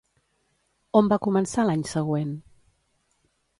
On va començar l'any següent?